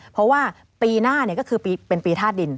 เพราะว่าปีหน้าก็คือเป็นปีธาตุดิน